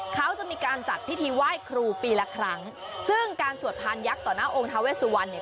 เขาจะมีการจัดพิธีไหว้ครูปีละครั้งซึ่งการสวดพานยักษ์ต่อหน้าองค์ทาเวสุวรรณเนี่ย